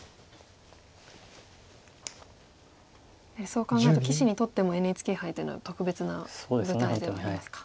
そう考えると棋士にとってもＮＨＫ杯というのは特別な舞台ではありますか。